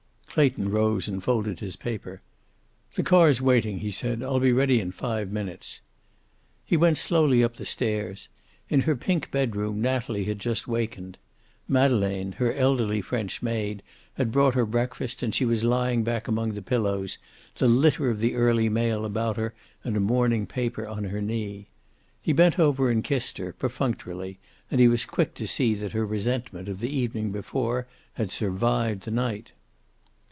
Clayton rose and folded his paper. "The car's waiting," he said. "I'll be ready in five minutes." He went slowly up the stairs. In her pink bedroom Natalie had just wakened. Madeleine, her elderly French maid, had brought her breakfast, and she was lying back among the pillows, the litter of the early mail about her and a morning paper on her knee. He bent over and kissed her, perfunctorily, and he was quick to see that her resentment of the evening before had survived the night.